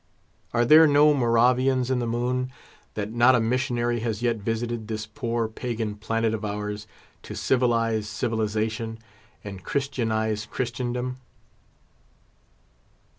Are there no Moravians in the Moon, that not a missionary has yet visited this poor pagan planet of ours, to civilise civilisation and christianise Christendom?